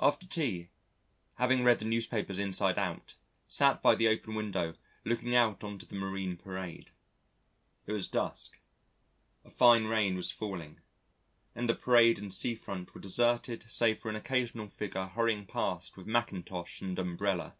After tea, having read the newspapers inside out, sat by the open window looking out on to the Marine Parade. It was dusk, a fine rain was falling, and the parade and sea front were deserted save for an occasional figure hurrying past with mackintosh and umbrella.